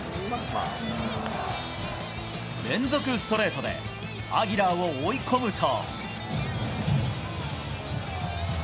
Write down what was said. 連続ストレートでアギラを追い込むと。